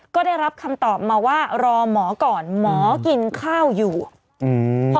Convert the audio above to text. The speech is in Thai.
ก็ได้รับคำตอบมาว่ารอหมอก่อนหมอกินข้าวอยู่อืม